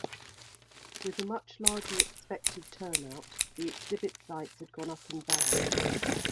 With a much larger expected turnout the exhibit sites had gone up in value.